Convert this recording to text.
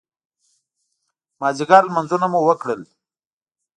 مازدیګر لمونځونه مو وکړل.